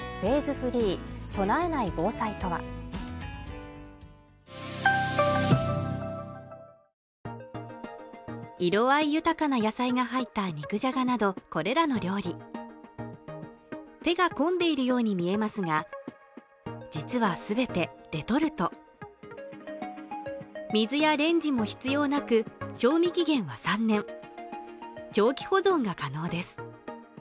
フリー備えない防災とは色合い豊かな野菜が入った肉じゃがなどこれらの料理手が込んでいるように見えますが実は全てレトルト水やレンジも必要なく賞味期限は３年長期保存が可能です